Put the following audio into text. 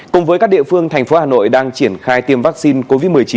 cùng với các địa phương thành phố hà nội đang triển khai tiêm vaccine covid một mươi chín